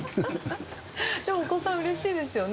お子さん、うれしいですよね。